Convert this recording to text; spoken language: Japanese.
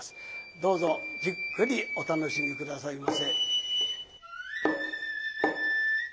どうぞじっくりお楽しみ下さいませ。